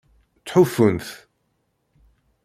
Ttḥufun-t.